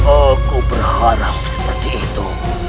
aku berharap seperti itu